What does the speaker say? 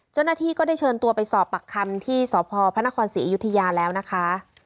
เจ้าหน้าที่ก็ได้เชิญตัวไปสอบปากคำที่สพพระนครศรีอยุธยาแล้วนะคะ